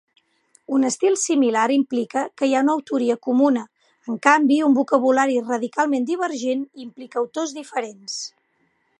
Un estil similar implica que hi ha una autoria comuna, en canvi un vocabulari radicalment divergent implica autors diferents.